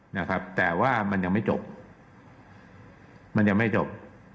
นะครับแต่ว่ามันยังไม่จบมันยังไม่จบ